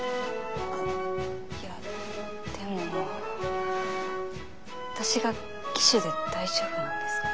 あいやでも私が騎手で大丈夫なんですか？